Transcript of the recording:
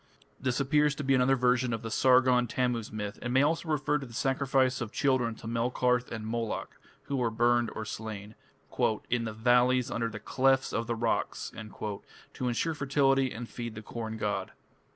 This appears to be another version of the Sargon Tammuz myth, and may also refer to the sacrifice of children to Melkarth and Moloch, who were burned or slain "in the valleys under the clefts of the rocks" to ensure fertility and feed the corn god.